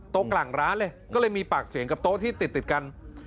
กลางร้านเลยก็เลยมีปากเสียงกับโต๊ะที่ติดกัน